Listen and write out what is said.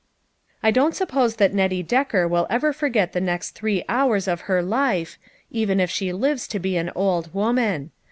I don't suppose that Nettie Decker will ever forget the next three hours of her life, even if she lives to be an old woman.